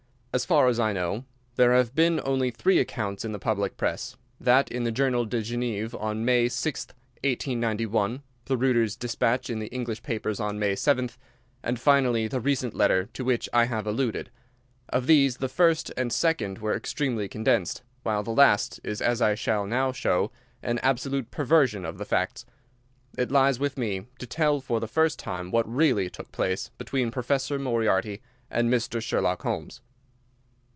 As far as I know, there have been only three accounts in the public press: that in the Journal de Genève on May 6th, 1891, the Reuter's despatch in the English papers on May 7th, and finally the recent letter to which I have alluded. Of these the first and second were extremely condensed, while the last is, as I shall now show, an absolute perversion of the facts. It lies with me to tell for the first time what really took place between Professor Moriarty and Mr. Sherlock Holmes.